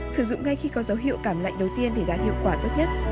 sử dụng ngay khi có dấu hiệu cảm lạnh đầu tiên để đạt hiệu quả tốt nhất